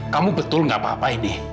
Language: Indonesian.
kamu betul gak apa apa ini